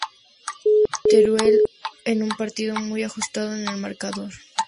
Teruel en un partido muy ajustado en el marcador.